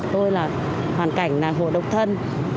tôi là hoàn cảnh hộ độc thân